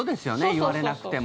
言われなくても。